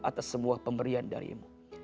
atas semua pemberian darimu